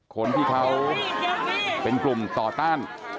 คนที่เขาเป็นกลุ่มต่อต้าน